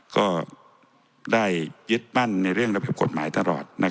ก็ได้ยึดมั่นในเรื่องระบบกฎหมายตลอด